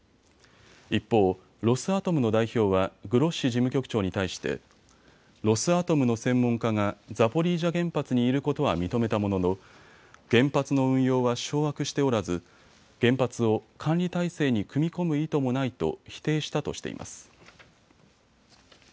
一方、ロスアトムの代表はグロッシ事務局長に対してロスアトムの専門家がザポリージャ原発にいることは認めたものの原発の運用は掌握しておらず原発を管理体制に組み込む意図もないと否定したとしています。